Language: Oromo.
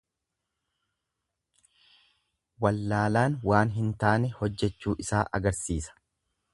Wallaalaan waan hin taane hojjechuu isaa agarsiisa.